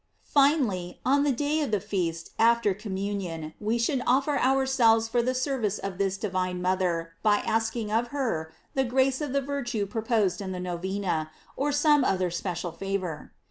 "f Finally, on the day of the feast after communion we should offer ourselves for the service of this di vine mother by asking of her the grace of the virtue proposed in the Novena, or some other special favor.